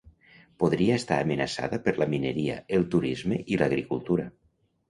Podria estar amenaçada per la mineria, el turisme i l'agricultura.